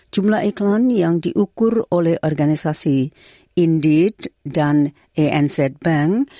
jumlah iklan yang diukur oleh organisasi indid dan anz bank